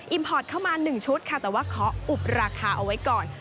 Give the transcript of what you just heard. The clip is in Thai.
พอร์ตเข้ามา๑ชุดค่ะแต่ว่าขออุบราคาเอาไว้ก่อน